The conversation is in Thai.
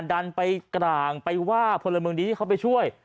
ดันไปกลางไปว่าพลเมืองดีที่เขาไปช่วย